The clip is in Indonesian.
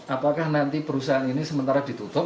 apakah nanti perusahaan ini sementara ditutup